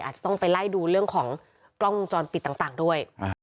อาจจะต้องไปไล่ดูเรื่องของกล้องวงจรปิดต่างด้วย